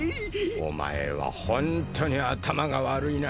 お前はホントに頭が悪いな。